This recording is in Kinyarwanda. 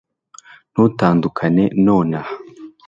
ntutandukane nonaha